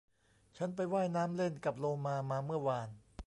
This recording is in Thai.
ฉันไปว่ายน้ำเล่นกับโลมามาเมื่อวาน